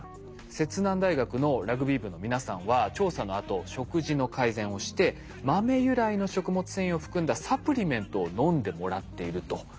摂南大学のラグビー部の皆さんは調査のあと食事の改善をして豆由来の食物繊維を含んだサプリメントを飲んでもらっていると。